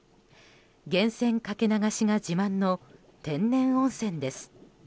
源泉かけ流しが自慢の天然温泉です。